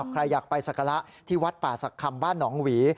ใครอยากไปศักระที่วัดป่าศักดิ์คำบ้านหนองหวี